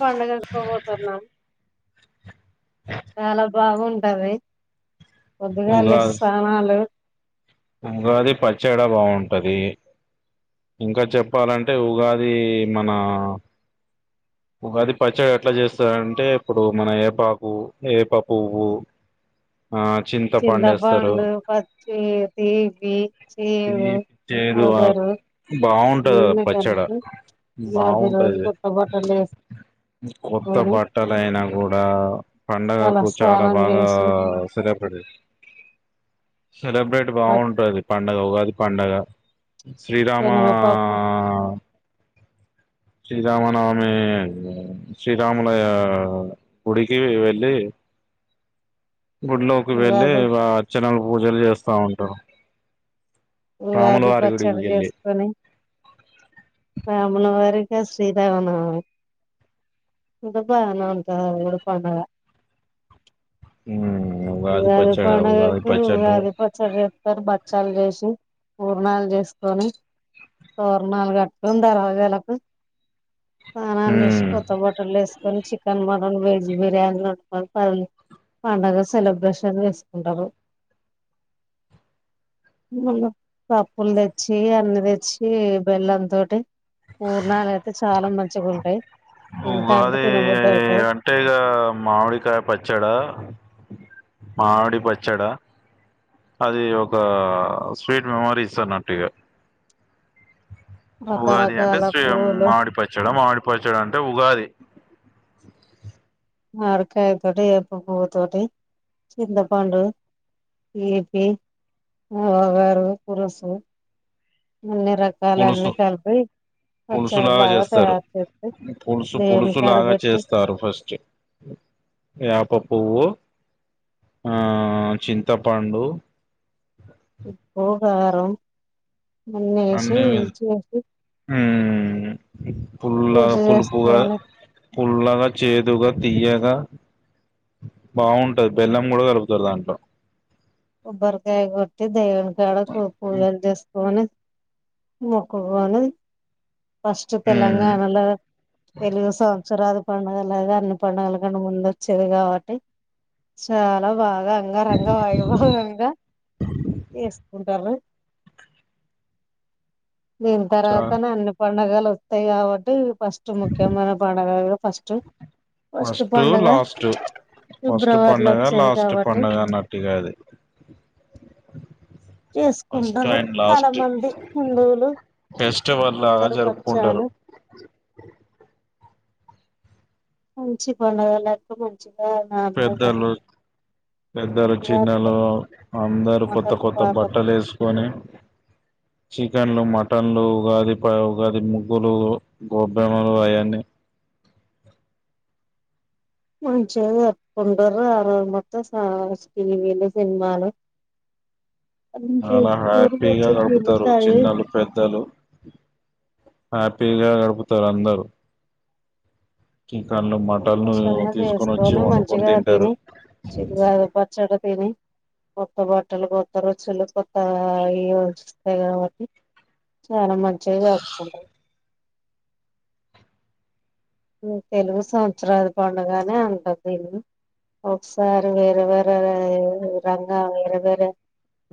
పండుగకు పొవుతున్నాం చాలా బాగుంటాది పొద్దుగాల లేసి ఉగాది సమాన్లు ఉగాది పచ్చేడా బాగుంటది ఇంకా చెప్పాలంటే ఉగాది మన ఉగాది పచ్చడి ఎట్లా చేస్తారంటే ఇప్పుడు మన ఏపాకు ఏప పువ్వు చింతపండు పచ్చిఏపి [unintelligible] తీపి చేదు వగరు బాగుంటది అన్ని పచ్చడ కలిపి యాభై రోజు బాగుంటది గా కొత్త బట్టలు కొత్త వేసుకొని బట్టలు అయినా కూడా తల పండగకు చాలా స్నానం బాగా చేసి సలాబీ బట్ బాగుంటది ప పండగ ఉగాది పండుగా శ్రీరామ శనగపప్పు శ్రీరామనవమి శ్రీరాములయ గుడికి వెళ్ళి గుడ్లోకి వెళ్ళి ఉగాది వాచ్చనలు పూజలు చేస్తా ఉంటరు ఉగాది పచ్చడి చేసుకొని రాములవారికా శ్రీరామా నవమీ [unintelligible] హ్మ్ ఉగాది పండుగ కు ఉగాది పచ్చడి చేస్తారు బ భక్షాలు చేసి పూర్ణాలు చేసుకొని తోరణాలు కట్టుకొని దర్వాజాలకు స్నానాలు చేసి కొత్త బట్టలు వేసుకొని చికెన్ మ వెజ్ బిర్యానీ వండుకొని పలి పండగా సెలబ్రేషన్ చేసుకుంటారు మల్ల పప్పులు తెచ్చి అన్ని తెచ్చి బెల్లం తోటి పూర్ణాలు అయితే చాలా మంచిగా ఉంటాయి తింటా అంటే ఉగాది తినబుద్ధి అయితాయి అంటేగా మామిడికాయ పచ్చాడా మామిడి పచ్చడా అది ఒక స్వీట్ మెమరీస్ అన్నట్టుగా ఉగాది అంటే రకరకాల శ్రీ పూలు మామిడి పచ్చడి మామిడి పచ్చడి అంటే ఉగాది మావిడి కాయతోటి ఏప్ప పవ్వు తోటి చింతపండు ఈపి వగరు పులుసు అన్ని రకాల అన్ని పులుసు కలిపి పులుసులాగా పచ్చడిలాగా చేస్తారు తయారు చేసి పులుసు దేవుని కాడ పులుసులాగా పెట్టి చేస్తారు ఫస్ట్ వేప పువ్వు చింతపండు ఉప్పు కారం అన్ని ఏసీ చేసి హ్మ్ పుల్ గా పూజ పులుపుగా చేసుకొని పూల్లగా చేదుగా తీయగా బాగుంటుంది బెల్లం కూడా కలుపుతారు దాంట్లో కోబ్బర్కాయ కొట్టి దేవు కాడకు పూలలు చేసుకొని ముక్కుని ఫస్ట్ మ్మ్ తెలంగాణలో తెలుగు సంవత్స్సర పండుగ లాగా అన్ని పండుగలు కన్నా ముందు వచ్చేది కాబట్టి చాలా బాగా దా అంగ రంగ వైభవంగా చేసుకుంటారు దీని చ తర్వాత న అన పండగాలు వస్తాయి కాబట్టి ఫస్ట్ ముఖ్యమైన ప [unintelligible] ఫస్టు ఫస్ట్ లాస్ట్ ఫస్ట్ ఫిబ్రవరిలో పండగ వచ్చేది లాస్ట్ కాబట్టి పండగ అన్నట్టుగా ఇగ అది. ఫస్ట్ చేసుకుంటరు అండ్ చాలా లాస్ట్ మంది హిందువులు ఫెస్టివల్ లాగా అందరు జరుపుకుంటారు బచ్చాలు మంచి పండగలకు మంచి పెద్దలు పెద్దలు చిన్నలు అందరు కొత్త మాటలు కొత్త పాటలు బట్టలు ఎస్కొని చికెన్లు, మటన్లు, ఉగాది ప ఉగాది ముగ్గులు, గోబ్బెమ్మలు అయన్నీ. మంచిగా జరుపుకుంటరు. ఆ రోజు మొత్తం స్నానాలు, టీవీలు, సినిమాలు. చాలా చూసుకొని హ్యాపీగా మంచిగా తిని గడుపుతరు తాగి చిన్నలు పెద్దలు. హ్యాపీగా గడుపుతరు అందరుూ సంతోషంగా చేస్కొని, వండుకొని మంచిగా తింటారు తిని, చి ఉగాది పచ్చడి తిని కొత్త బట్టలు కొత్త రుచులు కొత్త ఆ ఇయో వచిస్తాయి కాబట్టి చాలా మంచిగా జరుపుకుంటర్. ఉ తెలుగు సంవత్సరాది పండగనే అంటరు దీన్నీ. ఒకసారి వేరే వేరే వేరే రంగ వేరే వేరే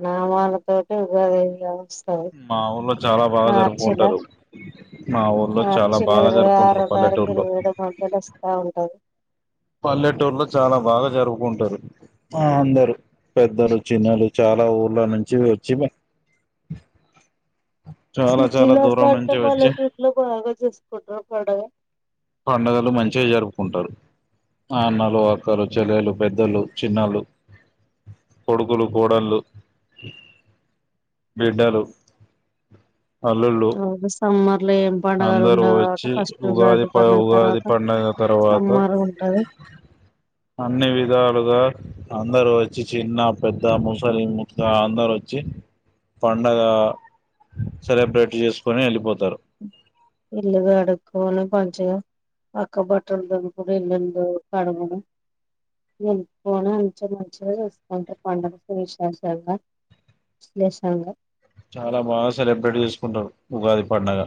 నామాలతోటి ఉగాది. వస్తది మా ఊర్లో చాలా బాగా జరుపుకుంటారు. మా ఊర్లో చాలా మార్చ్ లా బాగా ఇరవై జరుపుకుంటారు ఆరో తారీఖు పల్లెటూరులో ఇరవై ఏడో మద్యల వస్తా ఉంటది. పల్లెటూర్లో చాలా బాగా జరుపుకుంటరు. ఆ అందరు పెద్దలు, చిన్నలు చాలా ఊర్ళ నుంచి వచ్చి. చాలా చాలా సిటీలో దూరం కంటే నుంచి వచ్చి పల్లెటూర్లో బాగా చేసుకుంటరు పండగ. పండగలు మంచి జరుపుకుంటరు. అన్నలు, అక్కలు, చెల్లెలు, పెద్దలు, చిన్నళ్ళు, కొడుకులు, కోడళ్ళు, బిడ్డలు. అల్లుళ్ళు అవును సమ్మర్ లో ఏం పండగలు అందరూ ఉండవు కాబట్టి వచ్చి ఫస్ట్ ఉగాది ప పండగ ఉగాది తర్వాత పండగ తర్వాత సమ్మర్ ఉంటది అన్ని విధాలుగా అందరూ వచ్చి చిన్న, పెద్ద, ముసలి, ముతక అందర్ వచ్చి పండగ సెలబ్రేట్ చేసుకొని వెళ్ళిపోతరు. ఇల్లు కడుక్కొని మంచిగా, పక్క బట్టలు దులుపుకొని, ఇల్లు కడుగుని, నింపుకని మంచి మంచిగా చేసుంటారు పండగ వెశ్లేషంగ విశ్లేషంగ. చాలా బాగ సెలబ్రేట్ చేసుకుంటరు ఉగాది పండగ